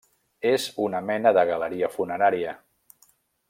És una mena de galeria funerària.